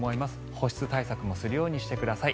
保湿対策もするようにしてください。